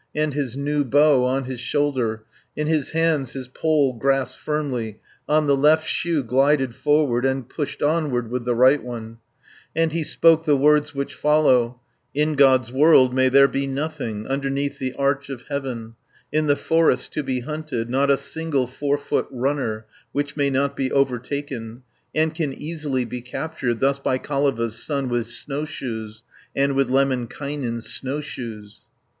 And his new bow on his shoulder, In his hands his pole grasped firmly, On the left shoe glided forward, And pushed onward with the right one, And he spoke the words which follow: "In God's world may there be nothing, Underneath the arch of heaven, In the forest to be hunted, Not a single four foot runner, 100 Which may not be overtaken, And can easily be captured Thus by Kaleva's son with snowshoes, And with Lemminkainen's snowshoes."